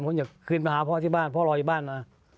ผมจะคืนไปหาพ่อที่บ้านพ่อรออยู่บ้านนะ